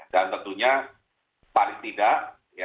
dan tentunya paling tidak